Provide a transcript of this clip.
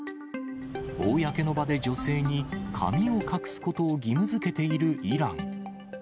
公の場で女性に、髪を隠すことを義務づけているイラン。